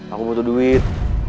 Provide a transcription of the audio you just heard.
aku butuh duit